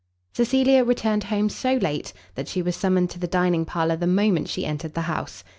Cecilia returned home so late, that she was summoned to the dining parlour the moment she entered the house.